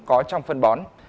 có trong phân bón